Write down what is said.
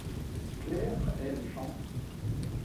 Claire aime Jean.